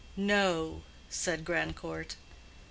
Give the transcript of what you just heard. "No," said Grandcourt.